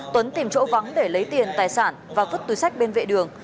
tuấn tìm chỗ vắng để lấy tiền tài sản và vứt túi sách bên vệ đường